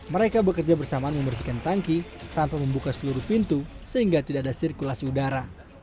mereka bekerja bersamaan membersihkan tangki tanpa membuka seluruh pintu sehingga tidak ada sirkulasi udara